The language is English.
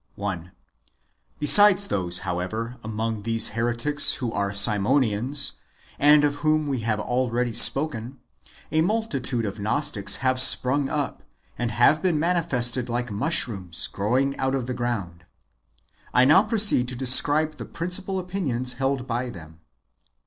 1. Besides those, however, among these heretics who are Simonians, and of whom we have already spoken, a multitude of Gnostics have sprung up, and have been manifested like mushrooms growing out of the ground. I now proceed to describe the principal opinions held by them.